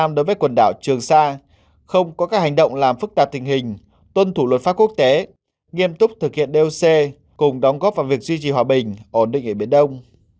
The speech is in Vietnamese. đối với quần đảo trường sa không có các hành động làm phức tạp tình hình tuân thủ luật pháp quốc tế nghiêm túc thực hiện doc cùng đóng góp vào việc duy trì hòa bình ổn định ở biển đông